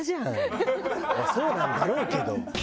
そうなんだろうけど。